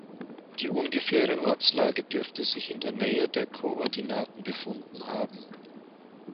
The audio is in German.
Die ungefähre Ortslage dürfte sich in der Nähe der Koordinaten befunden haben.